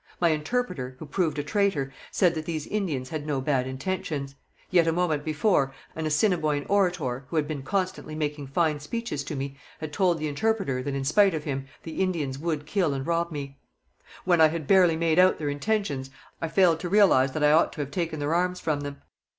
My interpreter, who proved a traitor, said that these Indians had no bad intentions. Yet, a moment before, an Assiniboine orator, who had been constantly making fine speeches to me, had told the interpreter that, in spite of him, the Indians would kill and rob me. When I had barely made out their intentions I failed to realize that I ought to have taken their arms from them.